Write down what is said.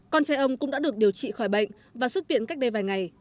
con trai ông cũng đã được điều trị khỏi bệnh và xuất viện cách đây vài ngày